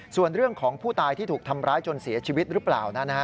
ส่วนเรื่องของผู้ตายที่ถูกทำร้ายจนเสียชีวิตหรือเปล่านั้น